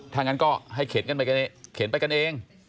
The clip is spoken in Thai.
ถ้างั้นก็ให้เข็นไปกันเอง